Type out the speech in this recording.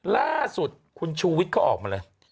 ล่าสุดคุณชูวิทย์ก็ออกมาเลย